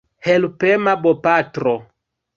Helpema bopatro.